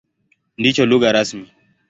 Ndicho lugha rasmi.